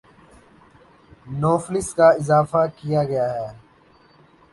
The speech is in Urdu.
نو فلس کا اضافہ کیا گیا ہے